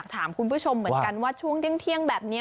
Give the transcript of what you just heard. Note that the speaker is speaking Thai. เหมือนกันว่าช่วงเที่ยงแบบนี้